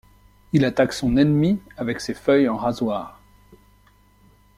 Il attaque son ennemi avec ses feuilles en rasoirs.